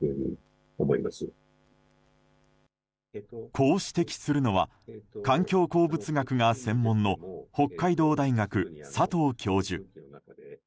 こう指摘するのは環境鉱物学が専門の北海道大学、佐藤教授。